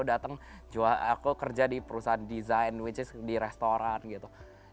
datang aku kerja di perusahaan design which is di restoran gitu